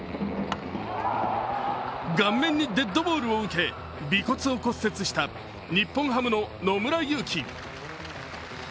顔面にデッドボールを受け鼻骨を骨折した日本ハムの野村佑希。